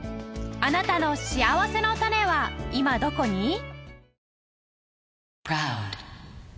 あなたのしあわせのたねは今どこに？